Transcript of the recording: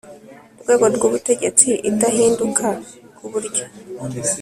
Rwego rw ubutegetsi idahinduka ku buryo